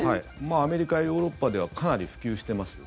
アメリカ、ヨーロッパではかなり普及してます。